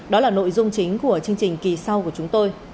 đó là nội dung chính của chương trình kỳ sau của chúng tôi